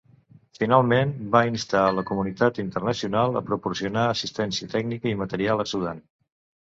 Finalment, va instar a la comunitat internacional a proporcionar assistència tècnica i material a Sudan.